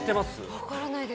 分からないです。